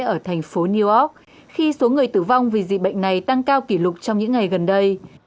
ở thành phố new york khi số người tử vong vì dịch bệnh này tăng cao kỷ lục trong những ngày gần đây